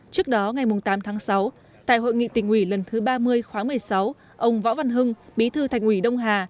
trước đó ngày tám tháng sáu tại hội nghị tỉnh ủy lần thứ ba mươi khóa một mươi sáu ông võ văn hưng bí thư thành ủy đông hà